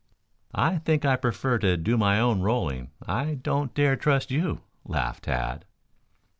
"I think I prefer to do my own rolling. I don't dare trust you," laughed Tad.